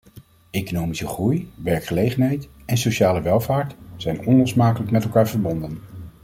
Economische groei, werkgelegenheid en sociale welvaart zijn onlosmakelijk met elkaar verbonden.